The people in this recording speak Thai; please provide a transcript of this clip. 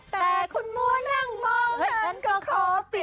แต่คุณมัวนั่งมองฉันก็ขอสิ